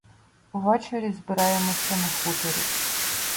Увечері збираємося на хуторі.